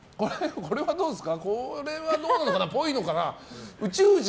これはどうですか？